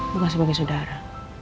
bukan sebagai saudara